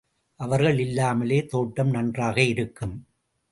அவர்கள் இல்லாமலே, தோட்டம் நன்றாக இருக்கும்.